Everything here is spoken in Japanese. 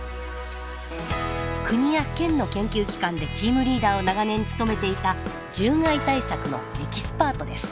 国や県の研究機関でチームリーダーを長年務めていた獣害対策のエキスパートです。